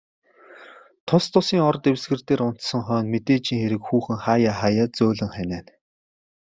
Тус тусын ор дэвсгэр дээр унтсан хойно, мэдээжийн хэрэг хүүхэн хааяа хааяа зөөлөн ханиана.